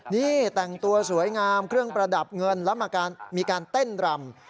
นี่แต่งตัวสวยงามเครื่องประดับเงินแล้วมีการเต้นรำ